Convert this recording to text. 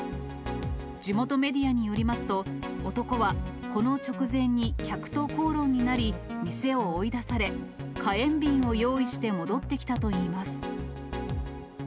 地元メディアによりますと、男は、この直前に客と口論になり、店を追い出され、火炎瓶を用意して戻ってきたといいます。